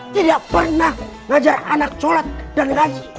tidak pernah ngajar anak sholat dan gaji